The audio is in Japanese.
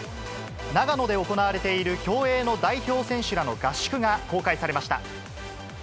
長野で行われている競泳の代表選手らの合宿が公開されました。